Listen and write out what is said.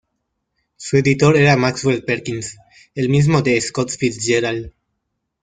Su editor era Maxwell Perkins, el mismo de Scott Fitzgerald.